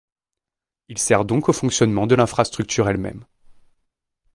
Il sert donc au fonctionnement de l'infrastructure elle-même.